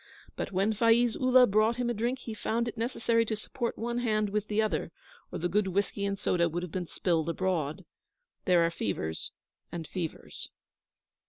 But when Faiz Ullah brought him a drink, he found it necessary to support one hand with the other, or the good whisky and soda would have been spilled abroad. There are fevers and fevers.